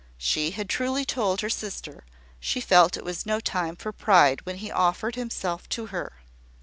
She had truly told her sister, she felt it was no time for pride when he offered himself to her.